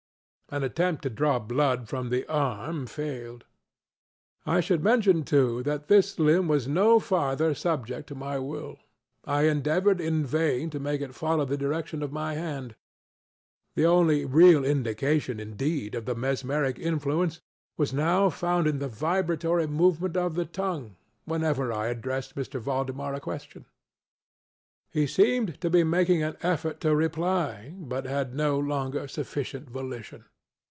An attempt to draw blood from the arm failed. I should mention, too, that this limb was no farther subject to my will. I endeavored in vain to make it follow the direction of my hand. The only real indication, indeed, of the mesmeric influence, was now found in the vibratory movement of the tongue, whenever I addressed M. Valdemar a question. He seemed to be making an effort to reply, but had no longer sufficient volition.